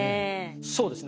そうですね。